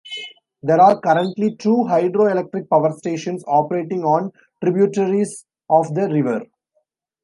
There are currently two hydroelectric power stations operating on tributaries of the river.